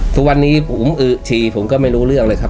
ทุกวันนี้ผมอือทีผมก็ไม่รู้เรื่องเลยครับ